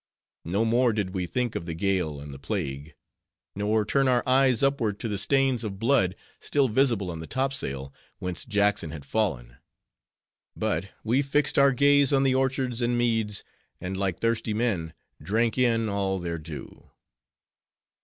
No more did we think of the gale and the plague; nor turn our eyes upward to the stains of blood, still visible on the topsail, whence Jackson had fallen; but we fixed our gaze on the orchards and meads, and like thirsty men, drank in all their dew.